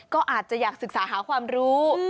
ก็อาจจะอยากศึกษาหาความรู้